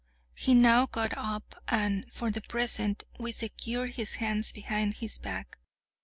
He now got up, and, for the present, we secured his hands behind his back.